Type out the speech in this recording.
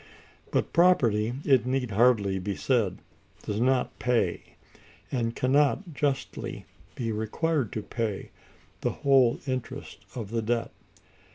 But property, it need hardly be said, does not pay, and can not justly be required to pay, the whole interest of the debt.